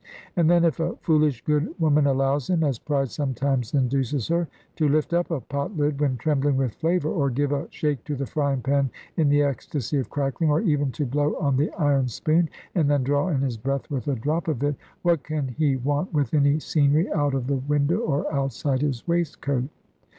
And then if a foolish good woman allows him (as pride sometimes induces her) to lift up a pot lid when trembling with flavour, or give a shake to the frying pan in the ecstasy of crackling, or even to blow on the iron spoon, and then draw in his breath with a drop of it what can he want with any scenery out of the window, or outside his waistcoat?